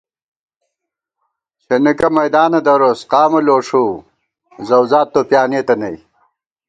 چھېنېکہ میدانہ دروس قامہ لوݭُوؤ، زَؤزاد تو پیانېتہ نئ